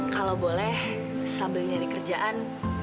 kalau boleh sambil nyari kerjaan